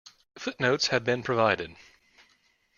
Footnotes have been provided.